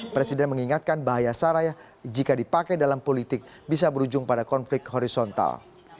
presiden mengingatkan bahaya sarah jika dipakai dalam politik bisa berujung pada konflik horizontal